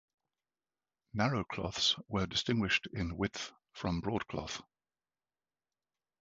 Narrow cloths were distinguished in width from Broadcloth.